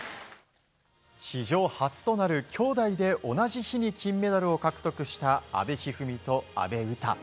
史上初となる兄妹で同じ日に金メダルを獲得した阿部一二三と阿部詩。